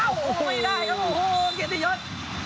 ไม่ได้ครับเห็นติดยนต์